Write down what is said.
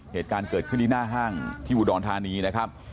เหตุการณ์เกิดขึ้นที่หน้าห้างที่อุดรธานีนะครับ